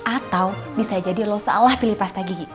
atau bisa jadi lo salah pilih pasta gigi